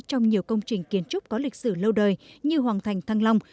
trong nhiều công trình kiến trúc có lịch sử lâu đời như hoàng thành thăng long